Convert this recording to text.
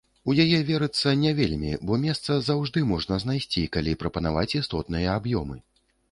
У яе верыцца не вельмі, бо месца заўжды можна знайсці, калі прапанаваць істотныя аб'ёмы.